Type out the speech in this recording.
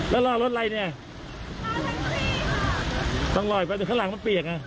แล้วรอรถอะไรเนี่ยต้องลอยไปแต่ข้างหลังมันเปียกอ่ะ